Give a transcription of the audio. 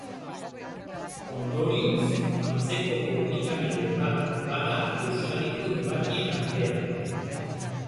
Ondorioz antzeko komunikabide bat bada Euskadiko irratien artean.